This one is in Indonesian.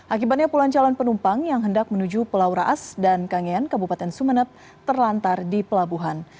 akibatnya puluhan calon penumpang yang hendak menuju pulau raas dan kangean kabupaten sumeneb terlantar di pelabuhan